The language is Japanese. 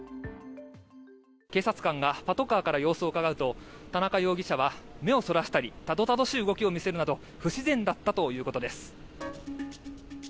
警察官がパトカーから様子をうかがうと田中容疑者は目をそらしたりたどたどしい動きを見せるなど不自然だったということです。